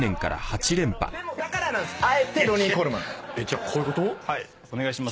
じゃあこういうこと？